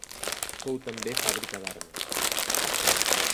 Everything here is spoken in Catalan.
Fou també fàbrica d'armes.